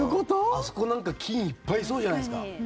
あそこなんか菌いっぱいいそうじゃないですか。